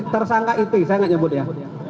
tersangka it saya nggak nyebut ya